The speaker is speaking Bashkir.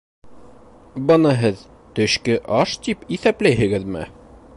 Быны һеҙ төшкө аш тип иҫәпләйһегеҙме?